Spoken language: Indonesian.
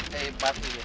hebat ini hebat